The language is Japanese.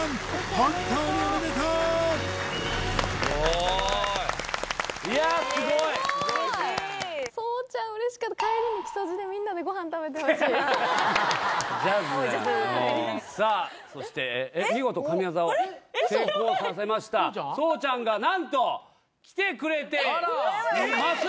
本当におめでとうすごいいやすごいそうちゃんうれしかった帰りに木曽路でみんなでジャズさあそして見事神業を成功させましたそうちゃんが何と来てくれています